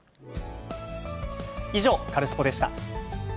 以上、カルスポっ！でした。